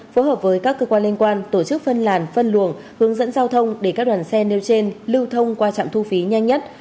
phối hợp với các cơ quan liên quan tổ chức phân làn phân luồng hướng dẫn giao thông để các đoàn xe nêu trên lưu thông qua trạm thu phí nhanh nhất